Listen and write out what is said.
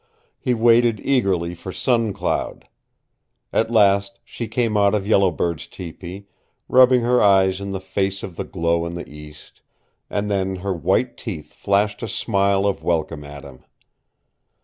He waited eagerly for Sun Cloud. At last she came out of Yellow Bird's tepee, rubbing her eyes in the face of the glow in the east, and then her white teeth flashed a smile of welcome at him.